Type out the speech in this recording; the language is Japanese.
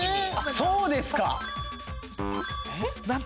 そうですか。